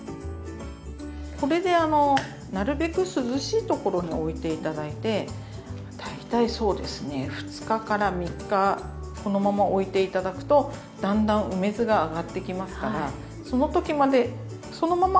これであのなるべく涼しい所において頂いて大体そうですね２日から３日このままおいて頂くとだんだん梅酢が上がってきますからそのときまでそのままおいといて下さい。